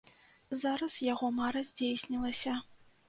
Зараз яго мара здзейснілася.